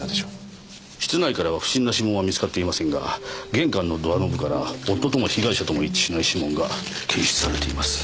室内からは不審な指紋は見つかっていませんが玄関のドアノブから夫とも被害者とも一致しない指紋が検出されています。